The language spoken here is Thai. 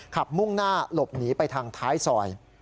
มุ่งหน้าหลบหนีไปทางท้ายซอย